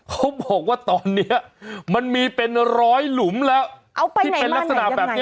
เขาบอกว่าตอนนี้มันมีเป็นร้อยหลุมแล้วที่เป็นลักษณะแบบนี้